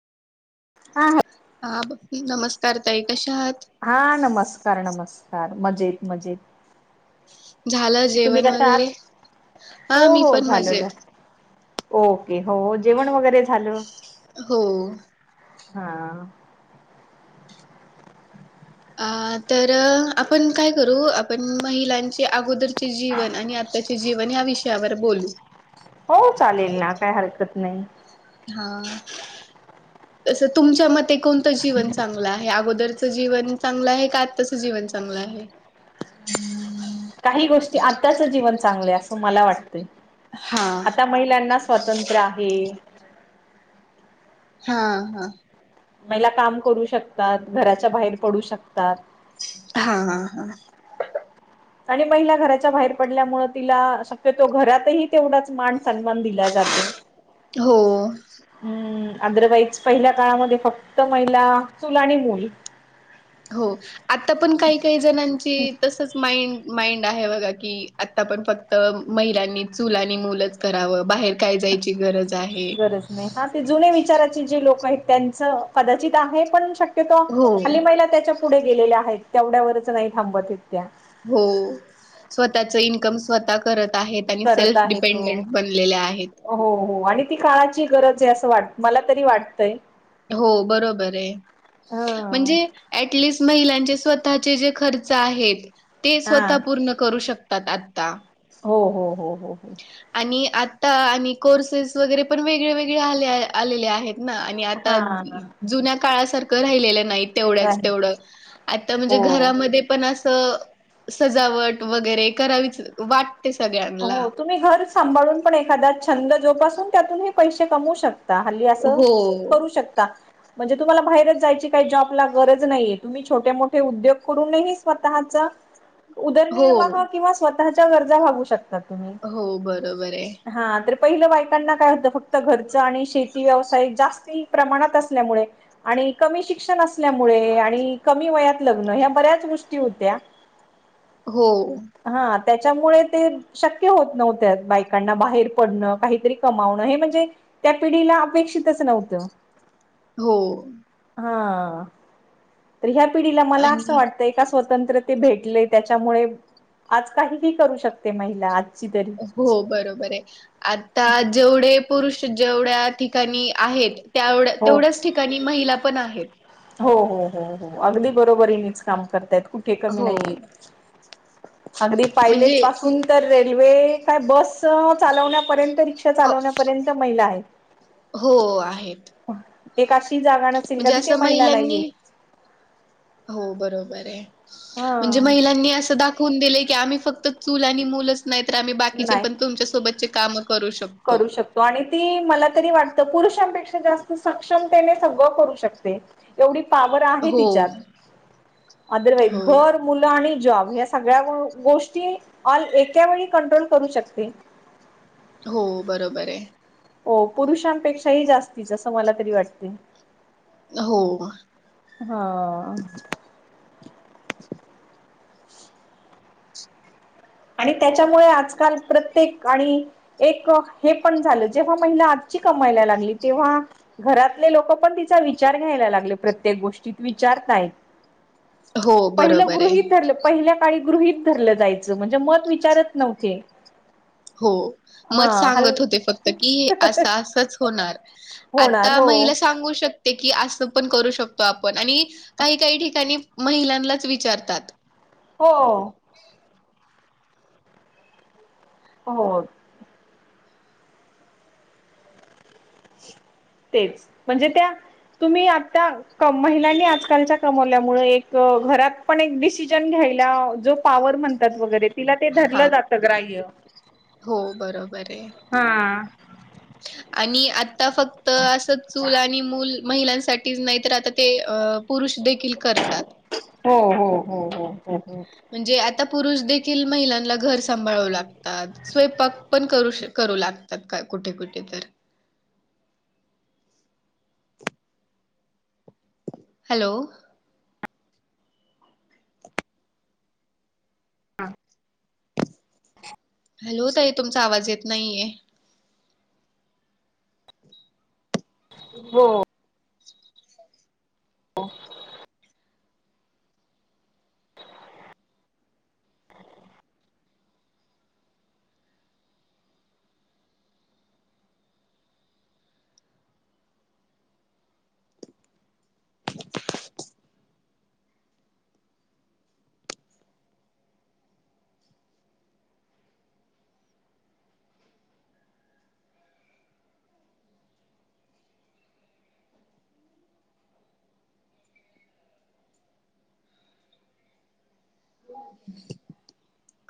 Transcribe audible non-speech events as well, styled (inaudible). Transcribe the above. हा हा हा भक्ती नमस्कार ताई कशा आहात हा नमस्कार नमस्कार मजेत मजेत झालं तुम्ही जेवण कशा वगैरे? आहात हो हा मी हो पण झालं मजेत झाल ओके हो जेवण वगैरे झालं हो हा अ तर आपण काय करू आपण महिलांचे अगोदरचे जीवन आणि आ त्याचे जीवन या विषयावर बोलू हो चालेल ना काय हरकत नाही. हा (unintelligible) तसं तुमच्या मते कोणतं जीवन चांगलं आहे अगोदरचं जीवन चांगलं आहे का आत्ताचं जीवन चांगलं आहे. काही गोष्टी आत्ताच जीवन चांगलं आहे असं मला वाटतंय. हा आता महिलांना स्वातंत्र आहे. हा हा महिला काम करू शकतात घराच्या बाहेर पडू शकतात. हा हा हा आणि महिला घराच्या बाहेर पडल्यामुळे तिला शक्यतो घरातही तेवढाच मान सन्मान दिला जा जातो हो हम्म आदर वाईज पहिल्या काळामध्ये फक्त महिला चूल आणि मूल हो आता पण काही काही जणांची तसच माइंड माइंड आहे बघा की आता पण फक्त महिलांनी चुल आणि मुलच करावं बाहेर काय जायची गरज आहे. गरज नाही हा ते जुने विचाराचे जे लोक आहेत त्यांच कदाचित आहे पण शक्य शक्यतो हो. हल्ली महिला त्याच्या पुढे गेलेल्या आहेत तेवढ्यावरच नाही थांबत येत त्या हो स्वतःच इन्कम स्वतः करत आहेत. त्यांनी करत सेल्फ आहेत हो डिपेंडंट बनलेल्या आहेत. हो हो आणि ती काळाची गरज आहे असं वाट मला तरी वाटतंय. हो बरोबर आहे हा म्हणजे ऍटलिस्ट महिलांचे स्वतःचे जे खर्च आहेत ते हा स्वतः पूर्ण करू शकत तात आत्ता हो हो हो हो. हो आणि आत्ता आणि कोर्सेस वगैरे पण वेगळे वेगळे आलेले आहेत. ना आणि आता हा जुन्या काळासारखं राहिलेलं नाहीत. तेवढ्याच तेवढं आत्ता म्हणजे हो घरामध्ये पण असं सजावट वगैरे करावीच वाटते सगळ्यांना हो तुम्ही घर सांभाळून पण एखादा छंद जोपासून त्यातूनही पैसे कमवू शक हल्ली असं हो. करू शकता. म्हणजे तुम्हाला बाहेरच जायची काही जॉब ला गरज नाही. तुम्ही छोटे -मोठे उद्योग करूनही स्वतःचा (unintelligible) हो उदरनिर्वाह किंवा स्वतःच्या गरजा भागवू शकता तुम्ही, हो बरोबर आहे हा तर पहिलं बायकांना काय होतं फक्त घरचं आणि शेती व्यवसाय जास्ती प्रमाणात असल्यामुळे आणि कमी शिक्षण असल्यामुळे आणि कमी वयात लग्न, ह्या बऱ्याच गोष्टी होत्या. (unintelligible) हो. हा त्याच्यामुळे ते शक्य होत नव्हत्या बायकांना बाहेर पडणं काहीतरी कमावणं हे म्हणजे त्या पिढीला अपेक्षितच नव्हतं. हो. हा, तर ह्या पिढीला मला असं आणि वाटतय स्वतंत्र ते भेटले त्याच्यामुळे, आज काहीही करू शकते महिला. आजची तरी हो बरोबर हाय, आता जेवढे पुरुष जेवढ्या ठिकाणी आहेत, त्या हो तेवढ्याच ठिकाणी महिला पण आहेत. हो, हो, हो, हो अगदी बरोबरच काम करतायत ते कमी हो. नाहीत, अगदी म्हणजे पायलट पासून तर रेल्वे, काय बस चालवण्यापर्यंत, रिक्षा अ चालवण्यापर्यंत महिला आहेत. हो आहेत. एक अशी जागा नसेल का म्हणजे तिथे असं महिला नाहीये. महिलांनी हो बरोबर हाय, हा म्हणजे महिलांनी असं दाख दाखुन दिलय की आम्ही फक्त चूल आणि मुलच नाही तर आम्ही बाकीचे नाही पण तुमच्या सोबतचे काम करू शकतो. करू शकतो. आणि ती मला तरी वाटत, पुरुषांपेक्षा जास्त सक्षमतेने सगळं करू शकते. एवढी पावर आहे हो तिच्यात, अदरवाईज हो घर मुलं आणि जॉब ह्या सगळ्या गोष्टी एक्या वेळी कंट्रोल करू शकते. हो बरोबर हाय. हो पुरुषांपेक्षाही जास्तीच असं मला तरी वाटते. हो. हा. आणि त्याच्यामुळे आजकाल प्रत्येक आणि एक हे पण झालं, जेव्हा महिला आजची कमायला लागली तेव्हा घरातले लोक पण तिचा विचार घ्यायला लागले प्रत्येक गोष्टीत, विचारतायत. हो पहिलं बरोबर गृह आहे ठरलं. पहिल्या काळी गृहीत धरलं जायचं, म्हणजे मत विचारत नव्हते. हो, हा मग हल सांगत होते फक्त की असं असच होणार. होणार आता हो महिला सांगू शकत ते की असं पण करू शकतो आपण, आणि काही- काही ठिकाणी महिलांनाच विचारतात. हो. हो. तेच, म्हणजे त्या तुम्ही आता कम, महिलांनी आजकालच्या कमवल्यामुळे एक घरात पण एक डिसिजन घ्यायला जो पावर म्हण त्यात वगैरे तिला ते हा धरलं जातं ग्राह्य. हो बरोबर हेय हा आणि आत आता फक्त असं चूल आणि मूल. महिलांसाठीच नाही, तर आता ते पुरुष देखील करतात. हो हो हो हो हो हो. म्हणजे आता पुरुष देखील महिलांना घर सांभाळू लागतात. स्वयंपाक पण करू करू लागतात का कुठे कुठे तर. हॅलो! हां. हॅलो ताई तुमचा आवाज येत नाहीये. हो. हां. (inaudible)